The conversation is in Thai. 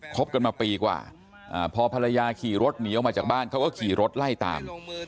บกันมาปีกว่าพอภรรยาขี่รถหนีออกมาจากบ้านเขาก็ขี่รถไล่ตาม